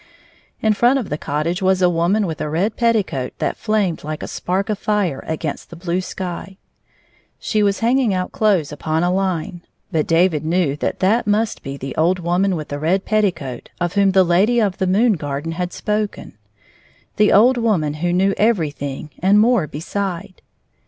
In front of the cottage was a woman with a red petticoat that flamed Uke a spark of fire against the blue sky. She was hanging out clothes upon a hne, but David knew that that must be the old woman with the red petticoat of whom the lady of the moon garden had spoken — the old woman who knew everything and more beside.